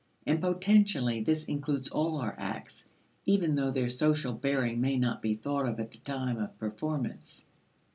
And potentially this includes all our acts, even though their social bearing may not be thought of at the time of performance.